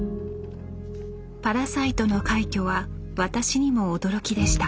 「パラサイト」の快挙は私にも驚きでした。